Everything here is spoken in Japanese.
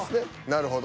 なるほど。